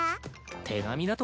手紙だと？